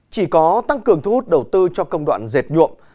chỉ có tăng cường thu hút đầu tư cho công đoạn dệt nhuộm